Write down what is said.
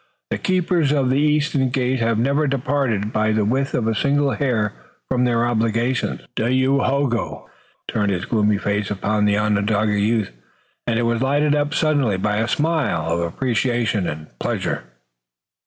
The Keepers of the Eastern Gate have never departed by the width of a single hair from their obligations." Dayohogo turned his gloomy face upon the Onondaga youth, and it was lighted up suddenly by a smile of appreciation and pleasure.